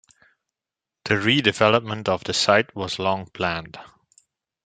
The redevelopment of the site was long planned.